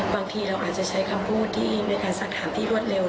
บางทีเราใช้คำพูดในคำถามที่รวดร็ว